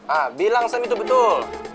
ah bilang saya itu betul